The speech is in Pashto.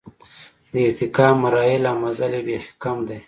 د ارتقا مراحل او مزل یې بېخي کم دی.